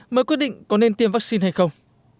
mới quyết định có nên tiêm vaccine hay không